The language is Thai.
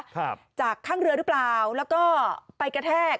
ครับจากข้างเรือหรือเปล่าแล้วก็ไปกระแทก